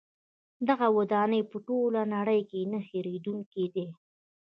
دغه ودانۍ په ټوله نړۍ کې نه هیریدونکې دي.